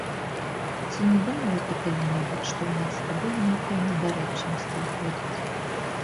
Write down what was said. Ці не думала ты калі-небудзь, што ў нас з табой нейкая недарэчнасць выходзіць.